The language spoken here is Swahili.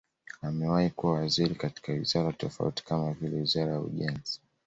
Amewahi kuwa waziri katika wizara tofauti kama vile Wizara ya Ujenzi